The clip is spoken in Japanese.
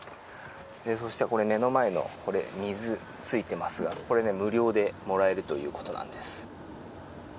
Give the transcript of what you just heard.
そして、この目の前の水ついていますが無料でもらえるということです。